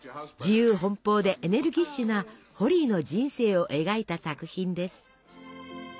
自由奔放でエネルギッシュなホリーの人生を描いた作品です。